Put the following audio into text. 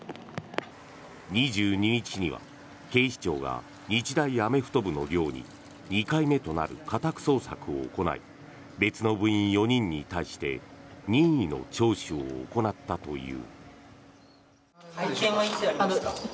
２２日には警視庁が日大アメフト部の寮に２回目となる家宅捜索を行い別の部員４人に対して任意の聴取を行ったという。